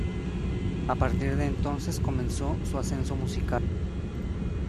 A partir de entonces comenzó su ascenso musical.